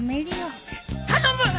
頼む